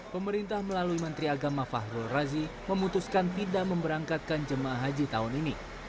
pemerintah melalui menteri agama fahrul razi memutuskan tidak memberangkatkan jemaah haji tahun ini